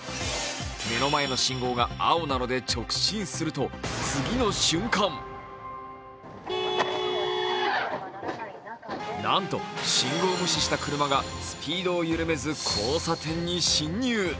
目の前の信号が青なので直進すると次の瞬間なんと信号無視した車がスピードを緩めず交差点に進入。